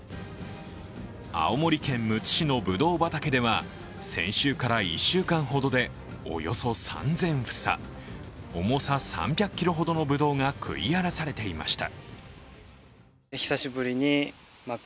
青森県むつ市のぶどう畑では先週から１週間ほどでおよそ３０００房重さ３００ｋｇほどのぶどうが食い荒らされていました。